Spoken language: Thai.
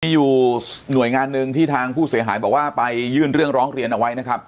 มีอยู่หน่วยงานหนึ่งที่ทางผู้เสียหายบอกว่าไปยื่นเรื่องร้องเรียนเอาไว้นะครับ